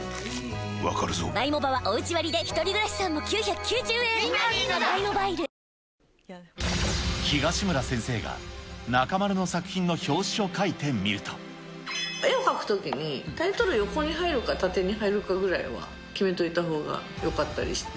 わかるぞ東村先生が、中丸の作品の表絵を描くときに、タイトル横に入るか縦に入るかぐらいは決めといたほうがよかったりして。